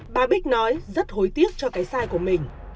bà bích nói rất hối tiếc cho cái sai của mình